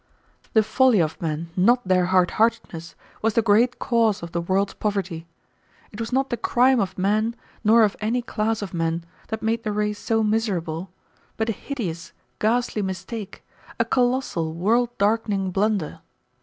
The folly of men, not their hard heartedness, was the great cause of the world's poverty. It was not the crime of man, nor of any class of men, that made the race so miserable, but a hideous, ghastly mistake, a colossal world darkening blunder.